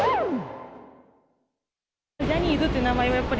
ジャニーズって名前をやっぱ